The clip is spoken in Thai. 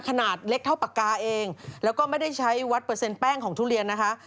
ขนาดเล็กเท่าปากกาเองแล้วก็ไม่ได้ใช้วัดเปอร์เซ็นแป้งของทุเรียนนะคะ